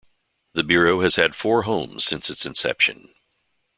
The Bureau has had four homes since its inception.